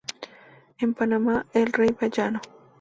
En Panamá, el Rey Bayano.